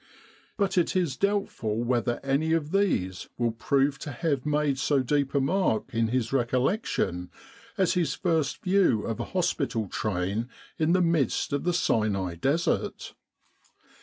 But it is doubtful whether any of these will prove to have made so deep a mark in his recollection as his first view of a hospital train in the midst of the Sinai Desert.